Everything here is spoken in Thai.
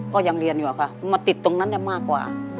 ก็ยังเรียนอยู่ค่ะมาติดตรงนั้นได้มากกว่า